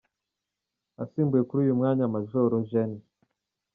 Asimbuye kuri uyu mwanya Major Gen.